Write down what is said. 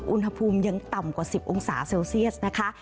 อุณหภูมิยังต่ำกว่า๑๐องศาเซลเซียสนะคะ